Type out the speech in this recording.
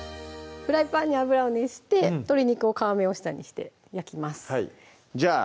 フライパンに油を熱して鶏肉を皮目を下にして焼きますじゃあ